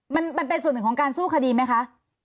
มันเป็นส่วนหนึ่งของการสู้คดีไหมคะ